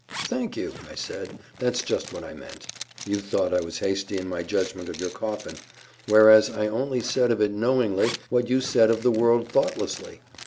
"Thank you," I said; "that's just what I meant. You thought I was hasty in my judgment of your coffin; whereas I only said of it knowingly what you said of the world thoughtlessly.